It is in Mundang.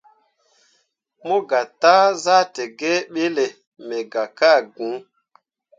Mo gah taa zahdǝǝge ɓiile me gah ka gŋ.